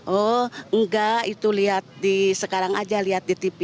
oh enggak itu lihat di sekarang aja lihat di tv